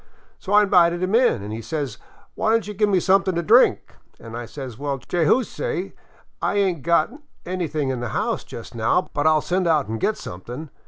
So I invited him in, an' he says, * Why don't you give me something to drink ?' An' I says, ' Well, Jayzoose, I ain't got anything in the house just now, but I '11 send out an' get something.